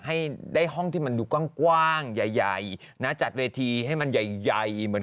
ให้ได้ห้องที่มันดูกว้างใหญ่นะจัดเวทีให้มันใหญ่เหมือน